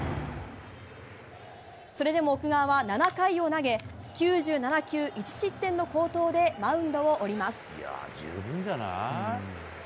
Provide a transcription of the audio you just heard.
それでも奥川は７回を投げ９７球１失点の好投でマウンドを降ります。